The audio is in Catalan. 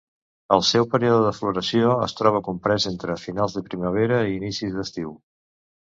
El seu període de floració es troba comprés entre finals de primavera i inicis d'estiu.